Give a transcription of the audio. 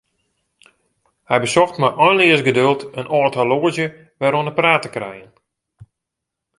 Hy besocht mei einleas geduld in âld horloazje wer oan 'e praat te krijen.